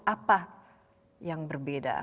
apa yang berbeda